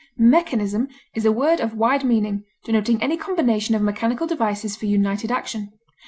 Mechanism is a word of wide meaning, denoting any combination of mechanical devices for united action.